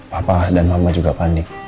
papa dan mama juga panik